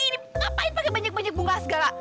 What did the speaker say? ini ngapain pakai banyak banyak bunga segala